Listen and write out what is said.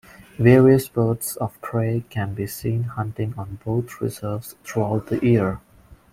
Various birds of prey can be seen hunting on both reserves throughout the year.